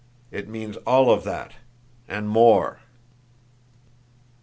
It means all of that, and more."